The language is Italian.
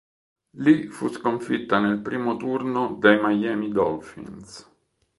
Lì fu sconfitta nel primo turno dai Miami Dolphins.